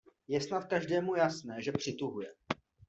Je snad každému jasné, že přituhuje.